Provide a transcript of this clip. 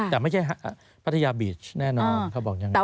แต่ไม่ใช่พัทยาบีชแน่นอนเขาบอกอย่างนั้น